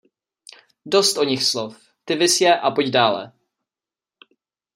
Dost o nich slov, ty viz je a pojď dále!